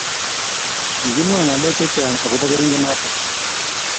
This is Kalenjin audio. kikimwa ng'alek chechang akobo keringenoto